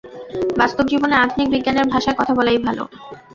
বাস্তব জীবনে আধুনিক বিজ্ঞানের ভাষায় কথা বলাই ভাল।